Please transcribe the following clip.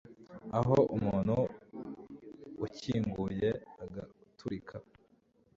Aho umutima ukinguye ugaturika